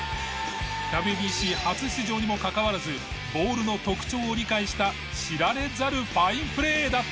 ＷＢＣ初出場にもかかわらずボールの特徴を理解した知られざるファインプレーだった。